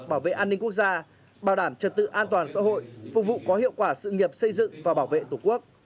bảo vệ an ninh quốc gia bảo đảm trật tự an toàn xã hội phục vụ có hiệu quả sự nghiệp xây dựng và bảo vệ tổ quốc